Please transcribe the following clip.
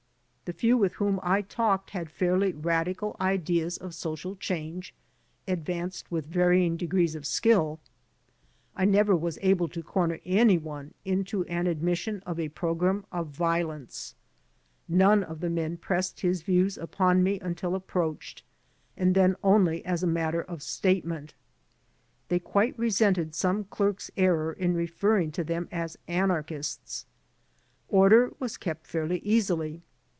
The few with whom I talked had fairly radical ideas of social change, advanced with varying degrees of skill I never was able to comer anyone into an WHO THE ARRESTED ALIENS WERE 23 admission of a program of yiolence. None of the men pressed Ills views upon me until approached, and then only as a matter of statement. They quite resented some clerk's error in refer ring to them as anarchists. Order was kept fairly easily.